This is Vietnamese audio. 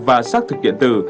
và sắc thực điện tử